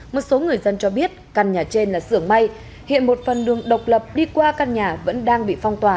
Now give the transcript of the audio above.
một số người dân cho biết căn nhà trên là sưởng may hiện một phần đường độc lập đi qua căn nhà vẫn đang bị phong tỏa